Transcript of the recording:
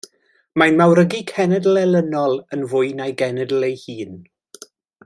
Mae'n mawrygu cenedl elynol yn fwy na'i genedl ei hun.